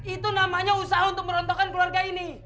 itu namanya usaha untuk merontokkan keluarga ini